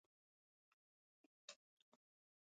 په افغانستان کې کلتور د مېړانې او غیرت نښه ده.